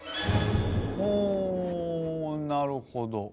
ほなるほど。